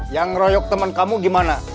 yang royok temen kamu gimana